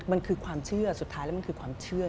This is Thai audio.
มันคือความเชื่อสุดท้ายแล้วมันคือความเชื่อ